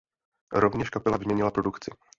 Rovněž kapela vyměnila produkci.